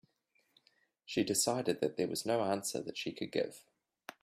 She decided that there was no answer that she could give.